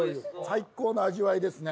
最高の味わいですね。